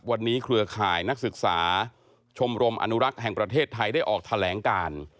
วันนี้เครือข่ายนักศึกษาชมรมอนุรักษ์แห่งประเทศไทยได้ออกแถลงการ